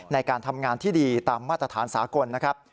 ในการทำงานที่ดีตามมาตรฐานสากลนะครับ